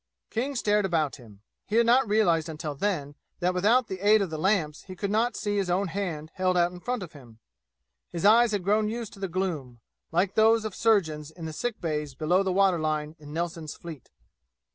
King stared about him. He had not realized until then that without aid of the lamps he could not see his own hand held out in front of him; his eyes had grown used to the gloom, like those of the surgeons in the sick bays below the water line in Nelson's fleet.